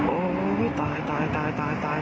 โอ้โหตายตายตาย